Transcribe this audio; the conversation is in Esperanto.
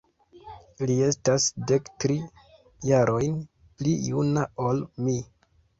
Li estas dektri jarojn pli juna ol mi.